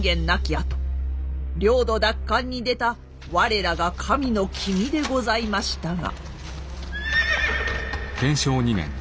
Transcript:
あと領土奪還に出た我らが神の君でございましたが。